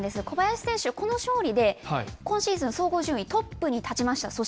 小林選手、この勝利で今シーズン総合順位トップに立ちました。